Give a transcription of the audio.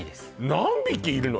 何匹いるの？